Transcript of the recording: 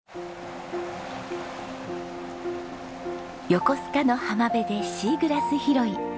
横須賀の浜辺でシーグラス拾い。